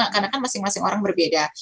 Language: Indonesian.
karena kan masing masing orang berbeda